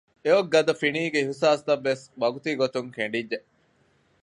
އެއޮތް ގަދަ ފިނީގެ އިހުސާސްތައްވެސް ވަގުތީގޮތުން ކެނޑިއްޖެ